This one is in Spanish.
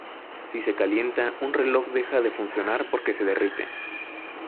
Si se calienta, un reloj deja de funcionar porque se derrite.